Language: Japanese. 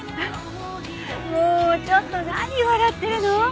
もうちょっと何笑ってるの？